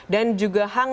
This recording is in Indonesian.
dan juga hangna